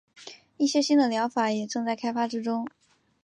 一些新的疗法也正在开发之中。